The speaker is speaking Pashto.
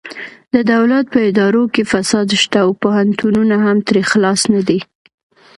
د دولت په ادارو کې فساد شته او پوهنتونونه هم ترې خلاص نه دي